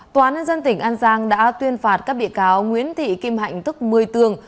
tòa án nhân dân tỉnh an giang đã tuyên phạt các bị cáo nguyễn thị kim hạnh tức một mươi tường